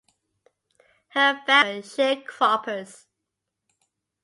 Her family were sharecroppers.